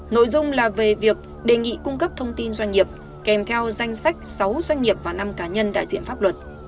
nội dung là về việc đề nghị cung cấp thông tin doanh nghiệp kèm theo danh sách sáu doanh nghiệp và năm cá nhân đại diện pháp luật